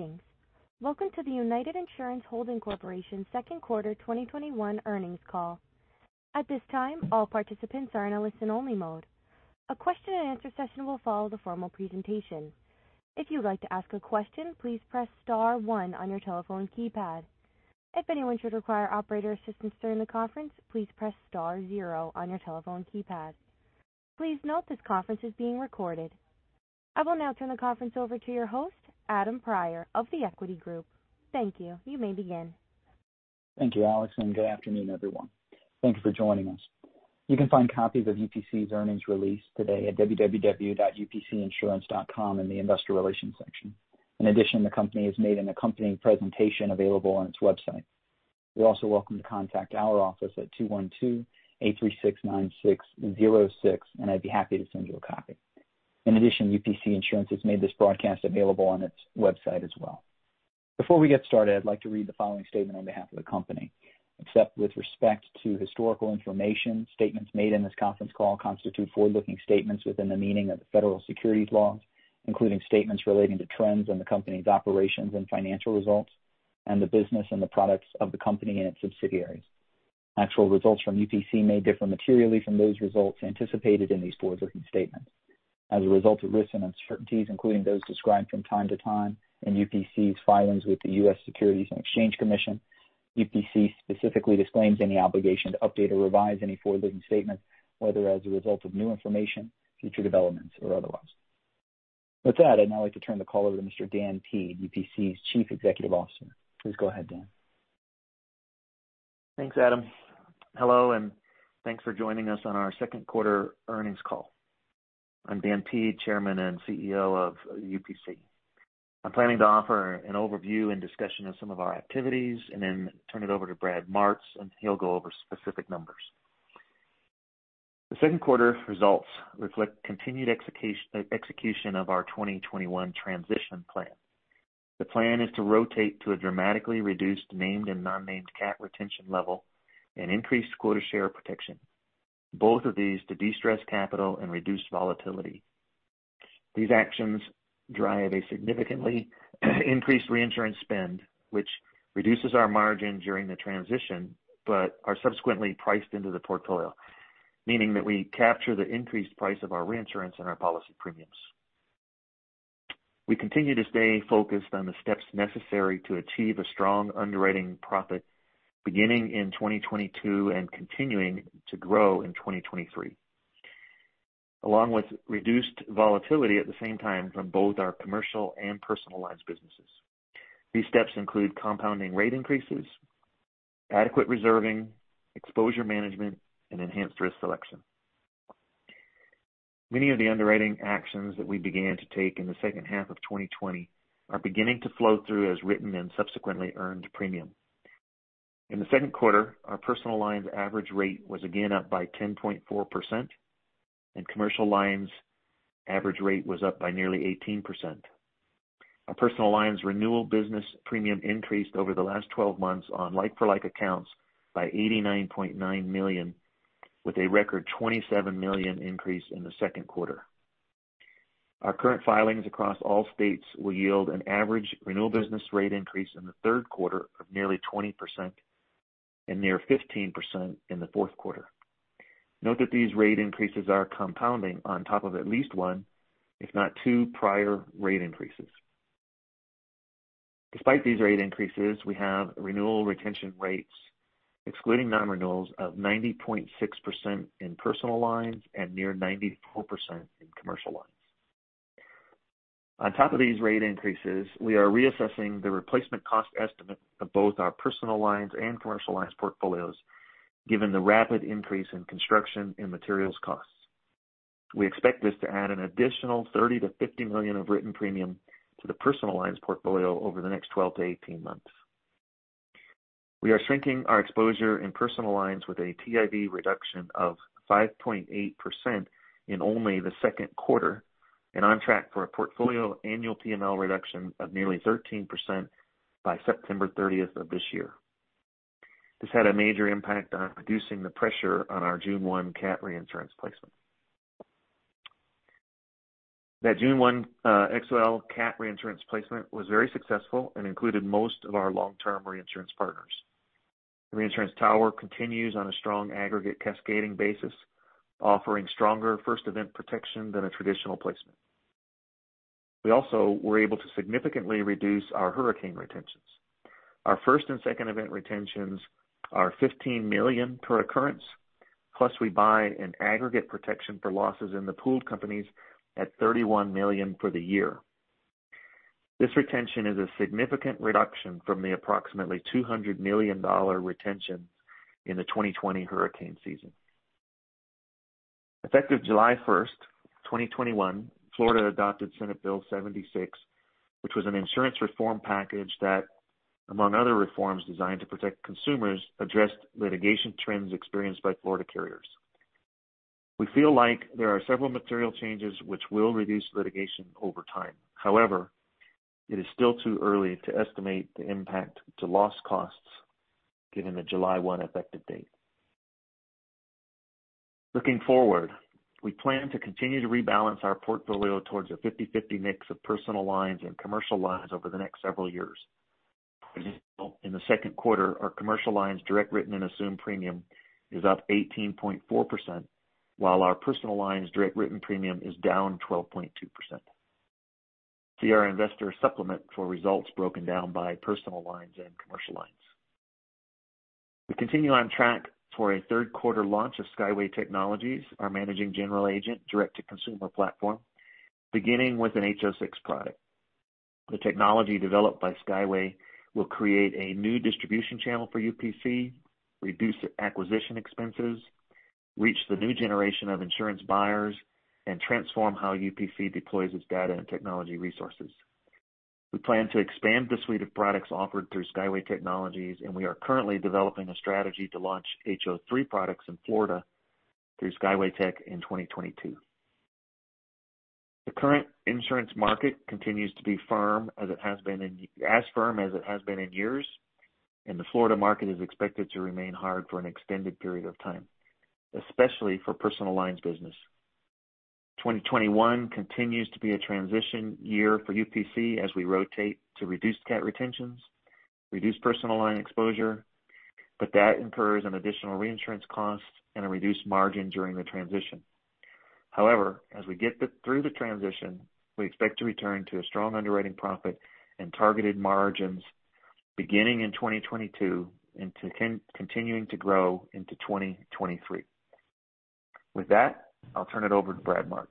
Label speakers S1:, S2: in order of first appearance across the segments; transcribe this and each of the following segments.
S1: Greetings. Welcome to the United Insurance Holdings Corporation. second quarter 2021 earnings call. At this time, all participants are in a listen-only mode. A question and answer session will follow the formal presentation. If you'd like to ask a question, please press star one on your telephone keypad. If anyone should require operator assistance during the conference, please press star zero on your telephone keypad. Please note this conference is being recorded. I will now turn the conference over to your host, Adam Prior of The Equity Group. Thank you. You may begin.
S2: Thank you, Allison. Good afternoon, everyone. Thank you for joining us. You can find copies of UPC's earnings release today at www.upcinsurance.com in the investor relations section. In addition, the company has made an accompanying presentation available on its website. You're also welcome to contact our office at 212-836-9606, and I'd be happy to send you a copy. In addition, UPC Insurance has made this broadcast available on its website as well. Before we get started, I'd like to read the following statement on behalf of the company. Except with respect to historical information, statements made in this conference call constitute forward-looking statements within the meaning of the federal securities laws, including statements relating to trends in the company's operations and financial results and the business and the products of the company and its subsidiaries. Actual results from UPC may differ materially from those results anticipated in these forward-looking statements. As a result of risks and uncertainties, including those described from time to time in UPC's filings with the U.S. Securities and Exchange Commission, UPC specifically disclaims any obligation to update or revise any forward-looking statements, whether as a result of new information, future developments, or otherwise. With that, I'd now like to turn the call over to Mr. Dan Peed, UPC's Chief Executive Officer. Please go ahead, Dan.
S3: Thanks, Adam. Hello, thanks for joining us on our second quarter earnings call. I'm Dan Peed, Chairman and CEO of UPC. I'm planning to offer an overview and discussion of some of our activities and then turn it over to Brad Martz, and he'll go over specific numbers. The second quarter results reflect continued execution of our 2021 transition plan. The plan is to rotate to a dramatically reduced named and non-named CAT retention level and increased quota share protection, both of these to de-stress capital and reduce volatility. These actions drive a significantly increased reinsurance spend, which reduces our margin during the transition but are subsequently priced into the portfolio, meaning that we capture the increased price of our reinsurance and our policy premiums. We continue to stay focused on the steps necessary to achieve a strong underwriting profit beginning in 2022 and continuing to grow in 2023, along with reduced volatility at the same time from both our commercial and personal lines businesses. These steps include compounding rate increases, adequate reserving, exposure management, and enhanced risk selection. Many of the underwriting actions that we began to take in the second half of 2020 are beginning to flow through as written and subsequently earned premium. In the second quarter, our personal lines average rate was again up by 10.4%, and commercial lines average rate was up by nearly 18%. Our personal lines renewal business premium increased over the last 12 months on like-for-like accounts by $89.9 million, with a record $27 million increase in the second quarter. Our current filings across all states will yield an average renewal business rate increase in the third quarter of nearly 20% and near 15% in the fourth quarter. Note that these rate increases are compounding on top of at least one, if not two, prior rate increases. Despite these rate increases, we have renewal retention rates, excluding non-renewals, of 90.6% in personal lines and near 94% in commercial lines. On top of these rate increases, we are reassessing the replacement cost estimate of both our personal lines and commercial lines portfolios, given the rapid increase in construction and materials costs. We expect this to add an additional $30 million-$50 million of written premium to the personal lines portfolio over the next 12-18 months. We are shrinking our exposure in personal lines with a TIV reduction of 5.8% in only the second quarter and on track for a portfolio annual PML reduction of nearly 13% by September 30th of this year. This had a major impact on reducing the pressure on our June 1 CAT reinsurance placement. That June 1 XL CAT reinsurance placement was very successful and included most of our long-term reinsurance partners. The reinsurance tower continues on a strong aggregate cascading basis, offering stronger first event protection than a traditional placement. We also were able to significantly reduce our hurricane retentions. Our first and second event retentions are $15 million per occurrence, plus we buy an aggregate protection for losses in the pooled companies at $31 million for the year. This retention is a significant reduction from the approximately $200 million retention in the 2020 hurricane season. Effective July 1st, 2021, Florida adopted Senate Bill 76, which was an insurance reform package that, among other reforms designed to protect consumers, addressed litigation trends experienced by Florida carriers. We feel like there are several material changes which will reduce litigation over time. However, it is still too early to estimate the impact to loss costs given the July 1 effective date. Looking forward, we plan to continue to rebalance our portfolio towards a 50/50 mix of personal lines and commercial lines over the next several years. For example, in the second quarter, our commercial lines direct written and assumed premium is up 18.4%, while our personal lines direct written premium is down 12.2%. See our investor supplement for results broken down by personal lines and commercial lines. We continue on track for a third quarter launch of Skyway Technologies, our managing general agent direct-to-consumer platform, beginning with an HO6 product. The technology developed by Skyway will create a new distribution channel for UPC, reduce acquisition expenses, reach the new generation of insurance buyers, and transform how UPC deploys its data and technology resources. We plan to expand the suite of products offered through Skyway Technologies, and we are currently developing a strategy to launch HO3 products in Florida through Skyway Tech in 2022. The current insurance market continues to be as firm as it has been in years, and the Florida market is expected to remain hard for an extended period of time, especially for personal lines business. 2021 continues to be a transition year for UPC as we rotate to reduce CAT retentions, reduce personal line exposure, that incurs an additional reinsurance cost and a reduced margin during the transition. As we get through the transition, we expect to return to a strong underwriting profit and targeted margins beginning in 2022 and continuing to grow into 2023. With that, I'll turn it over to Brad Martz.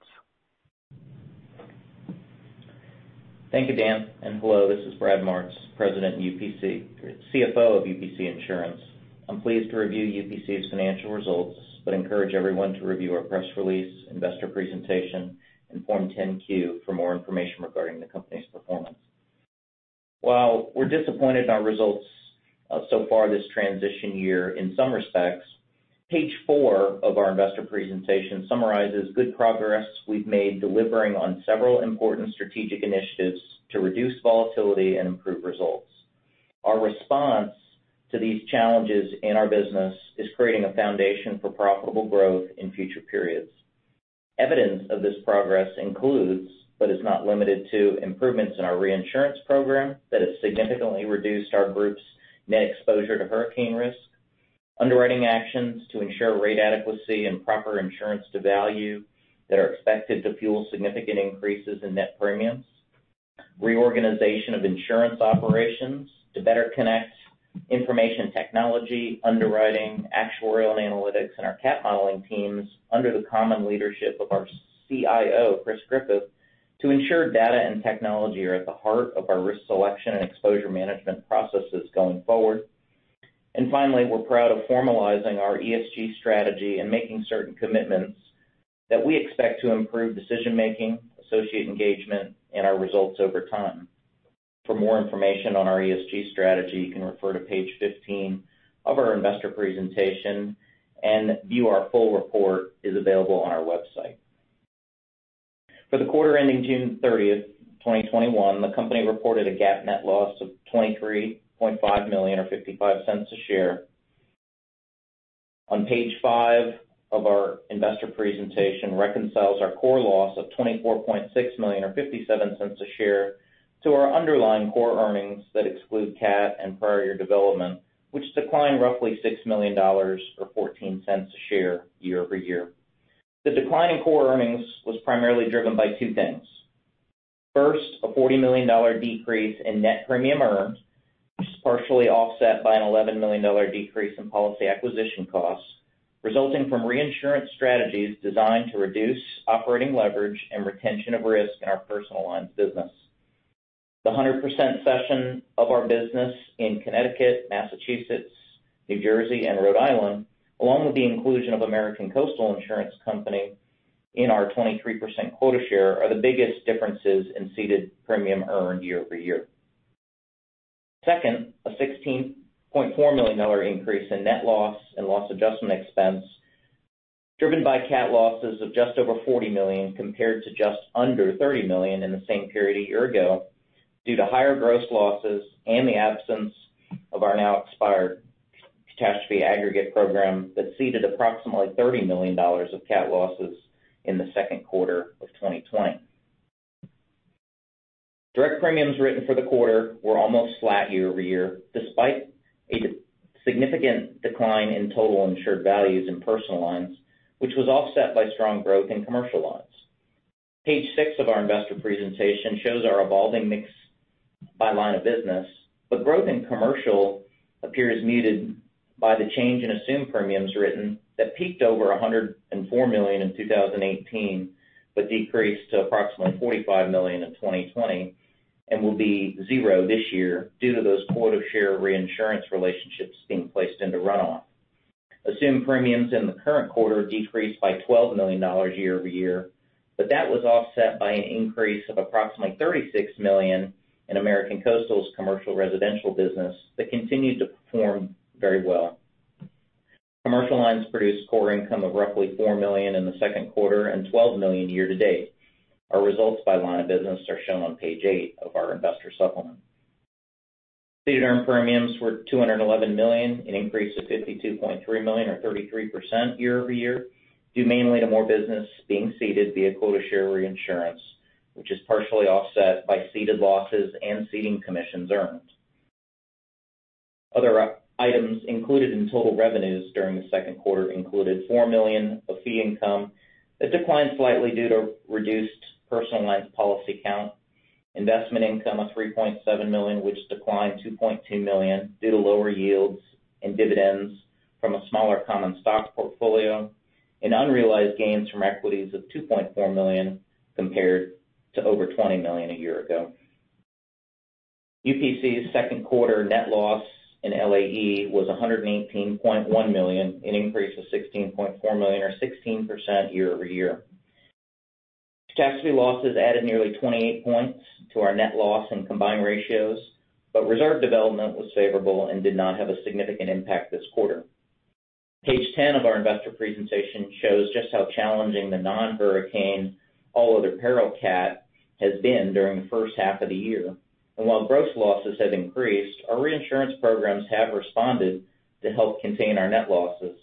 S4: Thank you, Dan. Hello, this is Brad Martz, President and CFO of UPC Insurance. I'm pleased to review UPC's financial results. I encourage everyone to review our press release, investor presentation, and Form 10-Q for more information regarding the company's performance. While we're disappointed in our results so far this transition year in some respects, page four of our investor presentation summarizes good progress we've made delivering on several important strategic initiatives to reduce volatility and improve results. Our response to these challenges in our business is creating a foundation for profitable growth in future periods. Evidence of this progress includes, but is not limited to, improvements in our reinsurance program that has significantly reduced our group's net exposure to hurricane risk, underwriting actions to ensure rate adequacy and proper insurance to value that are expected to fuel significant increases in net premiums, reorganization of insurance operations to better connect information technology, underwriting, actuarial and analytics, and our CAT modeling teams under the common leadership of our CIO, Chris Griffith, to ensure data and technology are at the heart of our risk selection and exposure management processes going forward. Finally, we're proud of formalizing our ESG strategy and making certain commitments that we expect to improve decision-making, associate engagement, and our results over time. For more information on our ESG strategy, you can refer to page 15 of our investor presentation and view our full report is available on our website. For the quarter ending June 30th, 2021, the company reported a GAAP net loss of $23.5 million or $0.55 a share. On page five of our investor presentation reconciles our core loss of $24.6 million or $0.57 a share to our underlying core earnings that exclude CAT and prior year development, which declined roughly $6 million or $0.14 a share year-over-year. The decline in core earnings was primarily driven by two things. First, a $40 million decrease in net premium earned, which is partially offset by an $11 million decrease in policy acquisition costs, resulting from reinsurance strategies designed to reduce operating leverage and retention of risk in our personal lines business. The 100% session of our business in Connecticut, Massachusetts, New Jersey, and Rhode Island, along with the inclusion of American Coastal Insurance Company in our 23% quota share, are the biggest differences in ceded premium earned year-over-year. Second, a $16.4 million increase in net loss and loss adjustment expense driven by CAT losses of just over $40 million compared to just under $30 million in the same period a year ago due to higher gross losses and the absence of our now-expired catastrophe aggregate program that ceded approximately $30 million of CAT losses in the second quarter of 2020. Direct premiums written for the quarter were almost flat year-over-year, despite a significant decline in total insured values in personal lines, which was offset by strong growth in commercial lines. Page six of our investor presentation shows our evolving mix by line of business. Growth in commercial appears muted by the change in assumed premiums written that peaked over $104 million in 2018, but decreased to approximately $45 million in 2020 and will be zero this year due to those quota share reinsurance relationships being placed into runoff. Assumed premiums in the current quarter decreased by $12 million year-over-year. That was offset by an increase of approximately $36 million in American Coastal's commercial residential business that continued to perform very well. Commercial lines produced core income of roughly $4 million in the second quarter and $12 million year to date. Our results by line of business are shown on page eight of our investor supplement. Ceded earned premiums were $211 million, an increase of $52.3 million or 33% year-over-year, due mainly to more business being ceded via quota share reinsurance, which is partially offset by ceded losses and ceding commissions earned. Other items included in total revenues during the second quarter included $4 million of fee income that declined slightly due to reduced personal lines policy count, investment income of $3.7 million, which declined $2.2 million due to lower yields and dividends from a smaller common stock portfolio, and unrealized gains from equities of $2.4 million compared to over $20 million a year ago. UPC's second quarter net loss and LAE was $118.1 million, an increase of $16.4 million or 16% year-over-year. Catastrophe losses added nearly 28 points to our net loss and combined ratios. Reserve development was favorable and did not have a significant impact this quarter. Page 10 of our investor presentation shows just how challenging the non-hurricane all other peril CAT has been during the first half of the year. While gross losses have increased, our reinsurance programs have responded to help contain our net losses.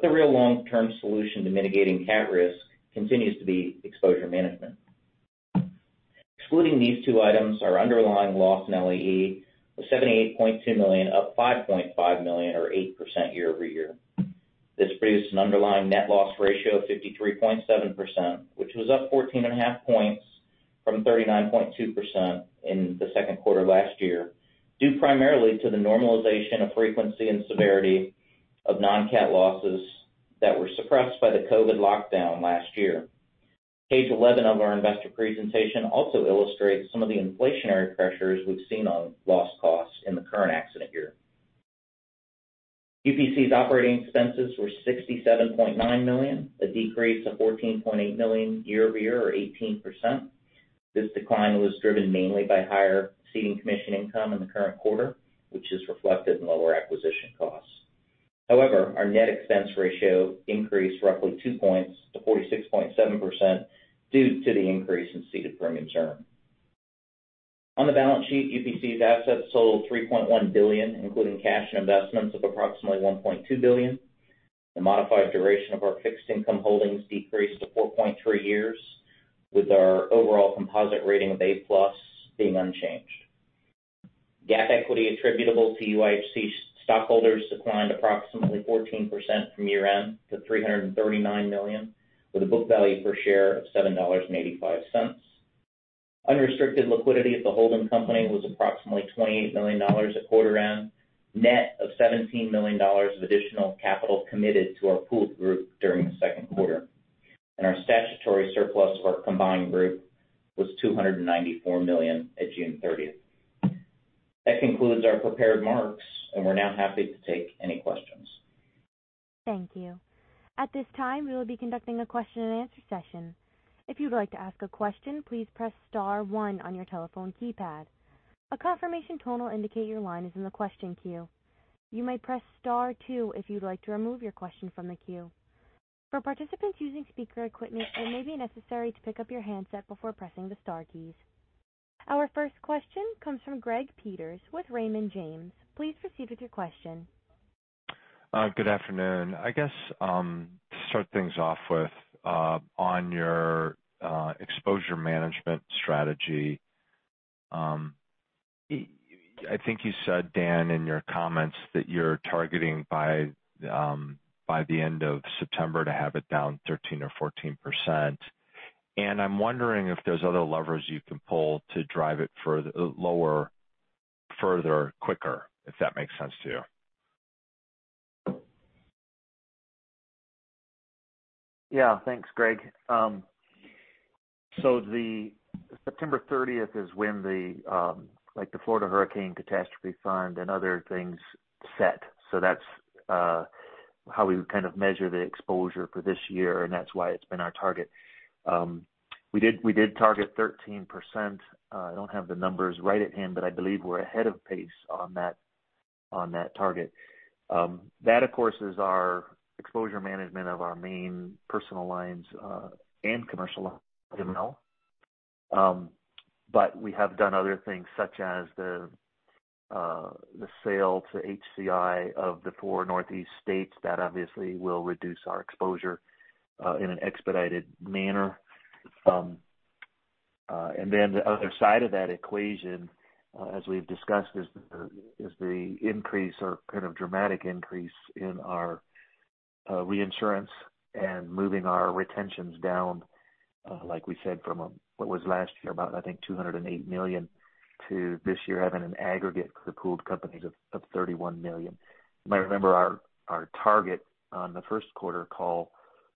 S4: The real long-term solution to mitigating CAT risk continues to be exposure management. Excluding these two items, our underlying loss in LAE was $78.2 million, up $5.5 million or 8% year-over-year. This produced an underlying net loss ratio of 53.7%, which was up 14.5 points from 39.2% in the second quarter last year, due primarily to the normalization of frequency and severity of non-CAT losses that were suppressed by the COVID lockdown last year. Page 11 of our investor presentation also illustrates some of the inflationary pressures we've seen on loss costs in the current accident year. UPC's operating expenses were $67.9 million, a decrease of $14.8 million year-over-year or 18%. This decline was driven mainly by higher ceding commission income in the current quarter, which is reflected in lower acquisition costs. However, our net expense ratio increased roughly 2 points to 46.7% due to the increase in ceded premium earned. On the balance sheet, UPC's assets total $3.1 billion, including cash and investments of approximately $1.2 billion. The modified duration of our fixed income holdings decreased to 4.3 years, with our overall composite rating of A+ being unchanged. GAAP equity attributable to UIHC stockholders declined approximately 14% from year-end to $339 million, with a book value per share of $7.85. Unrestricted liquidity at the holding company was approximately $28 million at quarter end, net of $17 million of additional capital committed to our pooled group during the second quarter. Our statutory surplus of our combined group was $294 million at June 30th. That concludes our prepared remarks, and we're now happy to take any questions.
S1: Thank you. At this time, we will be conducting a question and answer session. If you'd like to ask a question, please press star one on your telephone keypad. A confirmation tone will indicate your line is in the question queue. You may press star two if you'd like to remove your question from the queue. For participants using speaker equipment, it may be necessary to pick up your handset before pressing the star keys. Our first question comes from Greg Peters with Raymond James. Please proceed with your question.
S5: Good afternoon. I guess to start things off with, on your exposure management strategy, I think you said, Dan, in your comments that you're targeting by the end of September to have it down 13% or 14%. I'm wondering if there's other levers you can pull to drive it lower further quicker, if that makes sense to you?
S3: Thanks, Greg. September 30th is when the Florida Hurricane Catastrophe Fund and other things set. That's how we kind of measure the exposure for this year, and that's why it's been our target. We did target 13%. I don't have the numbers right at hand, but I believe we're ahead of pace on that target. That, of course, is our exposure management of our main personal lines and commercial lines of ML. We have done other things such as the sale to HCI of the four Northeast states. That obviously will reduce our exposure in an expedited manner. The other side of that equation, as we've discussed, is the increase or kind of dramatic increase in our reinsurance and moving our retentions down, like we said, from what was last year, about, I think, $208 million, to this year having an aggregate for pooled companies of $31 million. You might remember our target on the first quarter call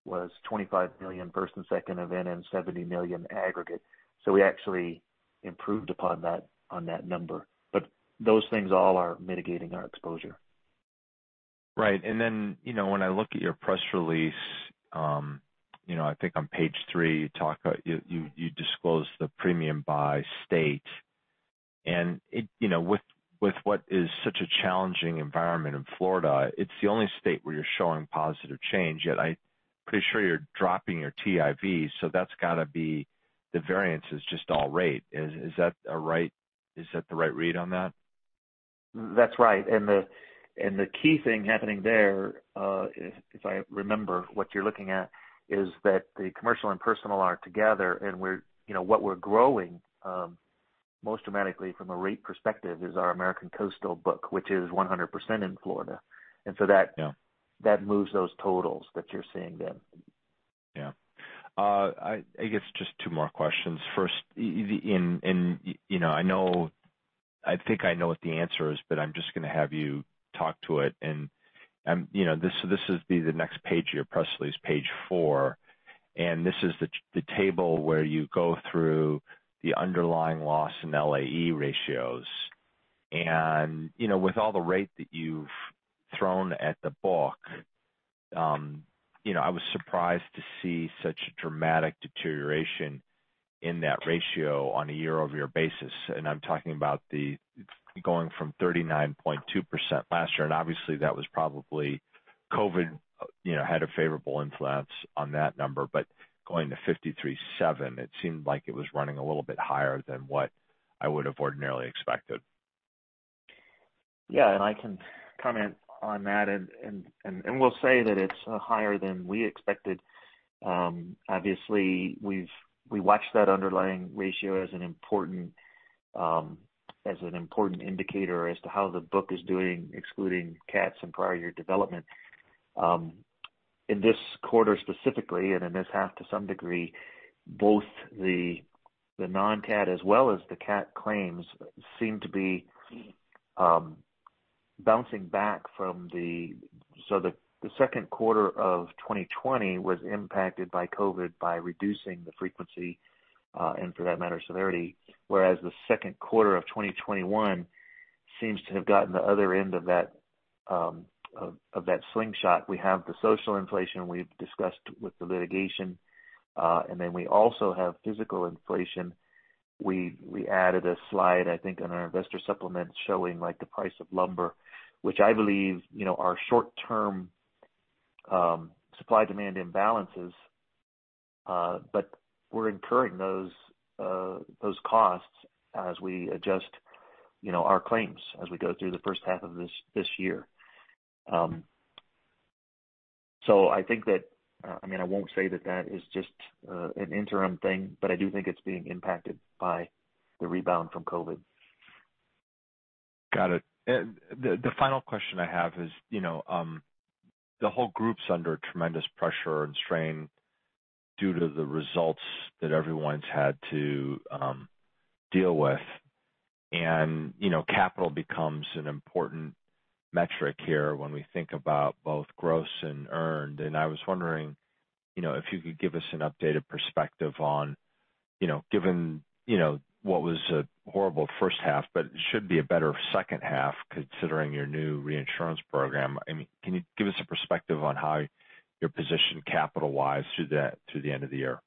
S3: was $25 million first and second event and $70 million aggregate. We actually improved upon that on that number. Those things all are mitigating our exposure.
S5: Right. Then, when I look at your press release, I think on page three, you disclose the premium by state. With what is such a challenging environment in Florida, it's the only state where you're showing positive change, yet Pretty sure you're dropping your TIV, so that's got to be the variance is just all rate. Is that the right read on that?
S3: That's right. The key thing happening there, if I remember what you're looking at, is that the commercial and personal are together, and what we're growing most dramatically from a rate perspective is our American Coastal book, which is 100% in Florida.
S5: Yeah
S3: That moves those totals that you're seeing then.
S5: Yeah. I guess just two more questions. First, I think I know what the answer is, but I'm just going to have you talk to it. This is the next page of your press release, page four, and this is the table where you go through the underlying loss and LAE ratios. With all the rate that you've thrown at the book, I was surprised to see such a dramatic deterioration in that ratio on a year-over-year basis. I'm talking about the going from 39.2% last year, and obviously, that was probably COVID had a favorable influence on that number, but going to 53.7%, it seemed like it was running a little bit higher than what I would've ordinarily expected.
S3: I can comment on that. We'll say that it's higher than we expected. Obviously, we watch that underlying ratio as an important indicator as to how the book is doing, excluding CATs and prior year development. In this quarter specifically, and in this half to some degree, both the non-CAT as well as the CAT claims seem to be bouncing back. The second quarter of 2020 was impacted by COVID by reducing the frequency, and for that matter, severity, whereas the second quarter of 2021 seems to have gotten the other end of that slingshot. We have the social inflation we've discussed with the litigation. We also have physical inflation. We added a slide, I think, on our investor supplement showing the price of lumber, which I believe are short-term supply demand imbalances. We're incurring those costs as we adjust our claims as we go through the first half of this year. I think that, I won't say that that is just an interim thing, but I do think it's being impacted by the rebound from COVID.
S5: Got it. The final question I have is, the whole group's under tremendous pressure and strain due to the results that everyone's had to deal with. Capital becomes an important metric here when we think about both gross and earned. I was wondering if you could give us an updated perspective on, given what was a horrible first half, but it should be a better second half considering your new reinsurance program. Can you give us a perspective on how you're positioned capital-wise through the end of the year?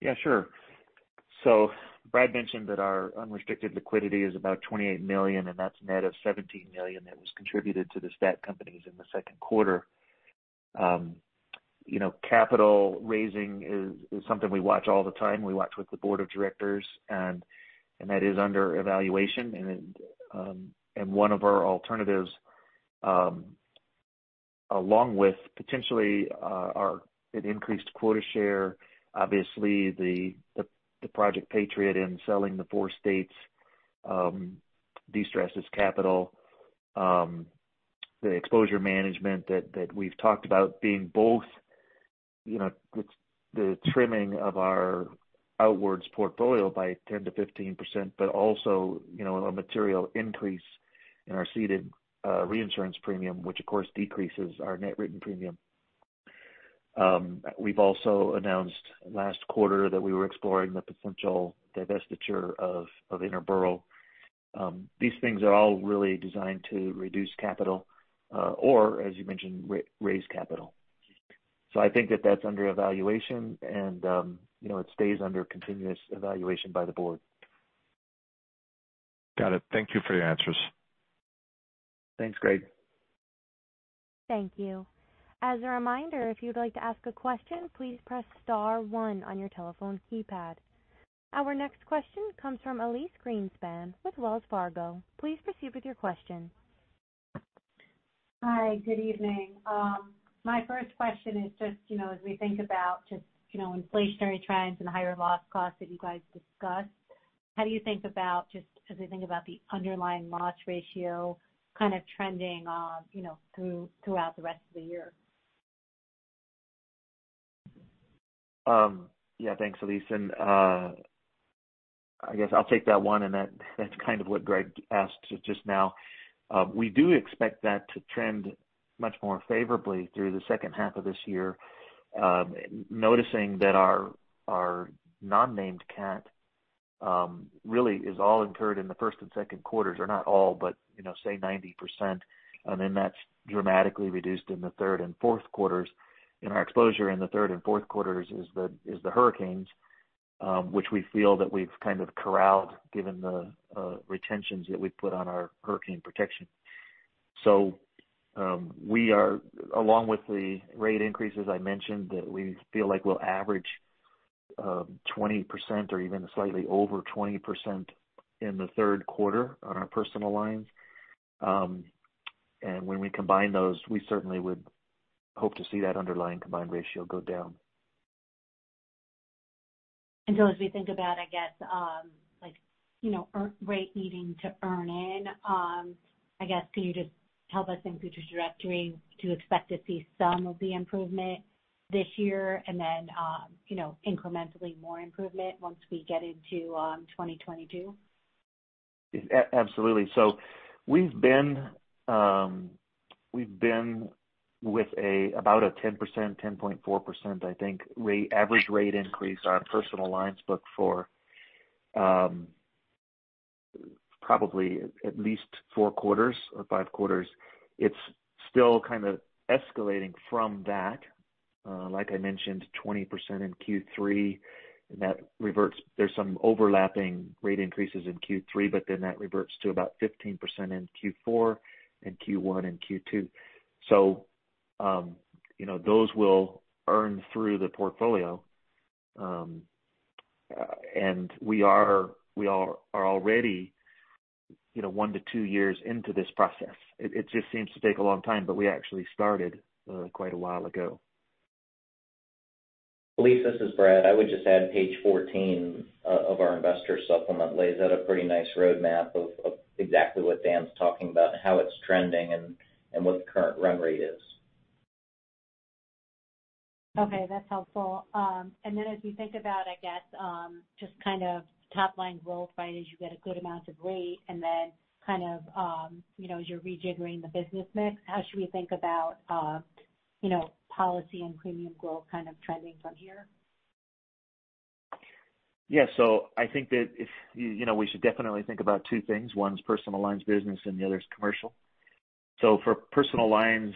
S3: Yeah, sure. Brad mentioned that our unrestricted liquidity is about $28 million, and that's net of $17 million that was contributed to the STAT companies in the second quarter. Capital raising is something we watch all the time. We watch with the board of directors, and that is under evaluation. One of our alternatives, along with potentially an increased quota share, obviously the Project Patriot in selling the four states de-stresses capital. The exposure management that we've talked about being both the trimming of our outwards portfolio by 10%-15%, but also a material increase in our ceded reinsurance premium, which of course decreases our net written premium. We've also announced last quarter that we were exploring the potential divestiture of Interboro. These things are all really designed to reduce capital, or as you mentioned, raise capital. I think that that's under evaluation and it stays under continuous evaluation by the board.
S5: Got it. Thank you for your answers.
S3: Thanks, Greg.
S1: Thank you. As a reminder, if you'd like to ask a question, please press star one on your telephone keypad. Our next question comes from Elyse Greenspan with Wells Fargo. Please proceed with your question.
S6: Hi, good evening. My first question is just as we think about just inflationary trends and higher loss costs that you guys discussed, how do you think about just as we think about the underlying loss ratio kind of trending throughout the rest of the year?
S3: Yeah, thanks, Elyse. I guess I'll take that one, and that's kind of what Greg asked just now. We do expect that to trend much more favorably through the second half of this year. Noticing that our non-named CAT really is all incurred in the first and second quarters, or not all, but say 90%, and then that's dramatically reduced in the third and fourth quarters, and our exposure in the third and fourth quarters is the hurricanes, which we feel that we've kind of corralled, given the retentions that we've put on our hurricane protection. Along with the rate increases I mentioned, that we feel like we'll average 20% or even slightly over 20% in the third quarter on our personal lines. When we combine those, we certainly would hope to see that underlying combined ratio go down.
S6: As we think about, I guess, rate needing to earn in, I guess, can you just help us in future directory to expect to see some of the improvement this year and then incrementally more improvement once we get into 2022?
S3: Absolutely. We've been with about a 10%, 10.4%, I think, average rate increase on personal lines book for probably at least four quarters or five quarters. It's still kind of escalating from that. Like I mentioned, 20% in Q3. That reverts. There's some overlapping rate increases in Q3. That reverts to about 15% in Q4, and Q1, and Q2. Those will earn through the portfolio. We are already one to two years into this process. It just seems to take a long time, but we actually started quite a while ago.
S4: Elyse, this is Brad. I would just add page 14 of our investor supplement lays out a pretty nice roadmap of exactly what Dan's talking about, how it's trending, and what the current run rate is.
S6: Okay, that's helpful. Then as we think about, I guess, just kind of top-line growth, right, as you get a good amount of rate and then kind of as you're rejiggering the business mix, how should we think about policy and premium growth kind of trending from here?
S3: Yeah. I think that we should definitely think about two things. One is personal lines business and the other is commercial. For personal lines,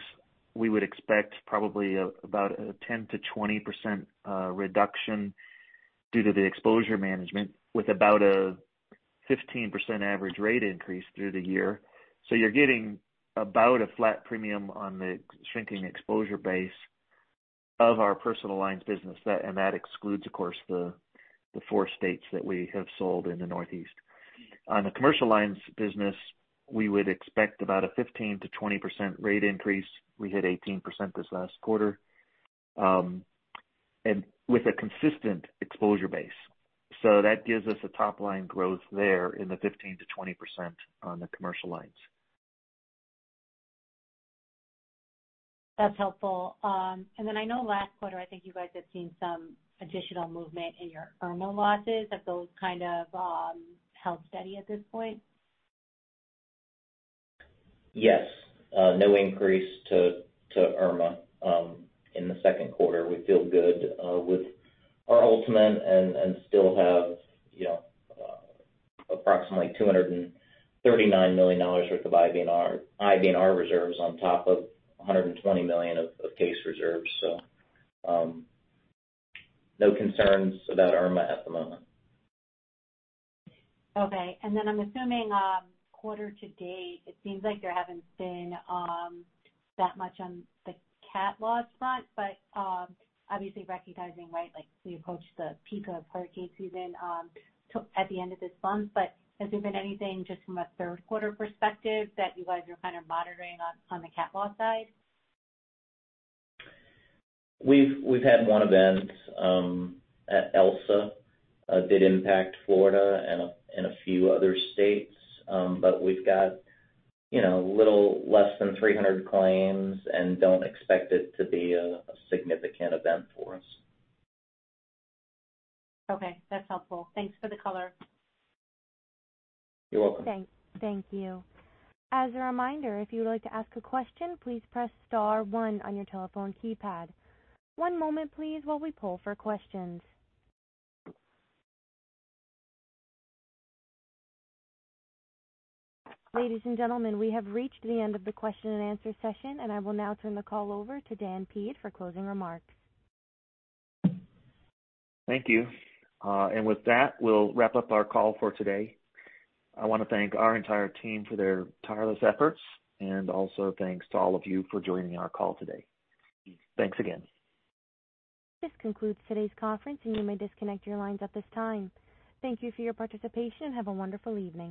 S3: we would expect probably about a 10%-20% reduction due to the exposure management with about a 15% average rate increase through the year. You're getting about a flat premium on the shrinking exposure base of our personal lines business. And that excludes, of course, the four states that we have sold in the Northeast. On the commercial lines business, we would expect about a 15%-20% rate increase. We hit 18% this last quarter, and with a consistent exposure base. That gives us a top-line growth there in the 15%-20% on the commercial lines.
S6: That's helpful. I know last quarter, I think you guys have seen some additional movement in your Irma losses. Have those kind of held steady at this point?
S4: Yes. No increase to Irma in the second quarter. We feel good with our ultimate and still have approximately $239 million worth of IBNR reserves on top of $120 million of case reserves. No concerns about Irma at the moment.
S6: Okay. I'm assuming quarter to date, it seems like there haven't been that much on the CAT loss front, obviously recognizing, right, like we approach the peak of hurricane season at the end of this month. Has there been anything just from a third quarter perspective that you guys are kind of monitoring on the CAT loss side?
S4: We've had one event. Elsa did impact Florida and a few other states. We've got little less than 300 claims and don't expect it to be a significant event for us.
S6: Okay, that's helpful. Thanks for the color.
S4: You're welcome.
S1: Thank you. As a reminder, if you would like to ask a question, please press star one on your telephone keypad. One moment please, when we poll for question. Ladies and gentlemen, we have reached the end of the question and answer session, and I will now turn the call over to Dan Peed for closing remarks.
S3: Thank you. With that, we'll wrap up our call for today. I want to thank our entire team for their tireless efforts, and also thanks to all of you for joining our call today. Thanks again.
S1: This concludes today's conference, and you may disconnect your lines at this time. Thank you for your participation, and have a wonderful evening.